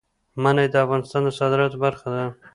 منی د افغانستان د صادراتو برخه ده.